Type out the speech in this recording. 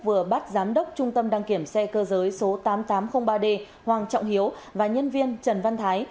vừa bắt giám đốc trung tâm đăng kiểm xe cơ giới số tám nghìn tám trăm linh ba d hoàng trọng hiếu và nhân viên trần văn thái